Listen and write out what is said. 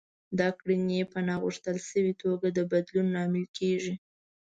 دا کړنې يې په ناغوښتل شوې توګه د بدلون لامل کېږي.